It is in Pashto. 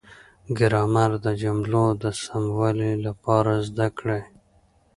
ګرامر د جملو د سموالي لپاره زده کړئ.